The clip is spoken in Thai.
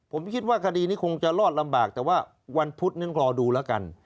ผมคิดว่าคดีนี้คงจะรอดลำบากแต่ว่าวันพุธนึงรอดูแล้วกัน